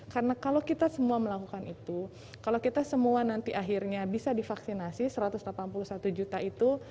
karena kalau kita semua melakukan itu kalau kita semua nanti akhirnya bisa divaksinasi satu ratus delapan puluh satu juta itu